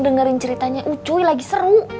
dengerin ceritanya ucuy lagi seru